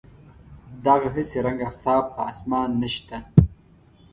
دغه هسې رنګ آفتاب په اسمان نشته.